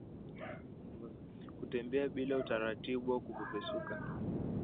Kutembea bila uthabiti au kupepesuka